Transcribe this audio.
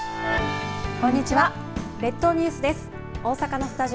こんにちは。